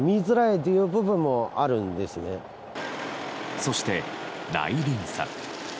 そして、内輪差。